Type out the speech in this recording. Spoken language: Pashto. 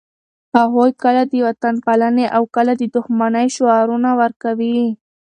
هغوی کله د وطنپالنې او کله د دښمنۍ شعارونه ورکوي.